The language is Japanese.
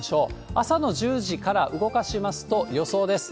朝の１０時から動かしますと、予想です。